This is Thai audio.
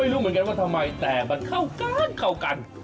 รู้เหมือนกันว่าทำไมแต่มันเข้ากันเข้ากัน